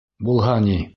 — Булһа ни.